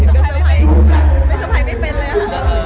ก็ไม่สบายไม่สบายไม่เป็นเลยฮะ